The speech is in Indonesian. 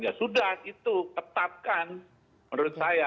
ya sudah itu ketatkan menurut saya